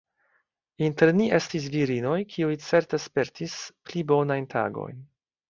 Inter ni estis virinoj, kiuj certe spertis pli bonajn tagojn.